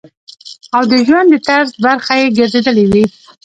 او د ژوند د طرز برخه ئې ګرځېدلي وي -